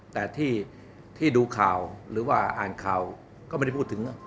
แต่ที่ดูข่าวหรือว่าอ่านข่าวก็ไม่ได้พูดถึง